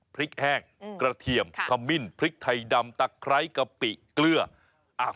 พริกแห้งกระเทียมขมิ้นพริกไทยดำตะไคร้กะปิเกลืออ่ะ